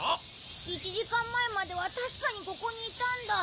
１時間前までは確かにここにいたんだ。